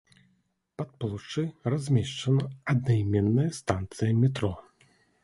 Пад плошчай размешчана аднайменная станцыя метро.